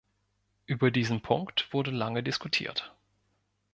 Über diesen Punkt wurde lange diskutiert.